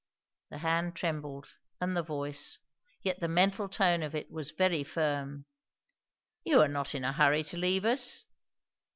The hand trembled, and the voice; yet the mental tone of it was very firm. "You are not in a hurry to leave us?"